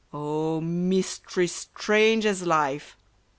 O mystery strange as life